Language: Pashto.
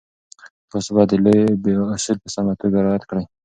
تاسو باید د لوبې اصول په سمه توګه رعایت کړئ.